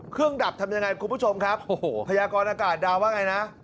เครื่องดับทำยังไงคุณผู้ชมครับพระยากรอากาศดาวว่าไงนะ